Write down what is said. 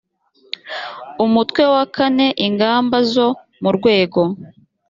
umutwe wa kane ingamba zo mu rwego